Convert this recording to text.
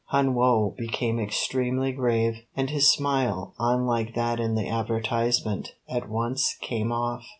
Hun Woe became extremely grave; and his smile, unlike that in the advertisement, at once "came off."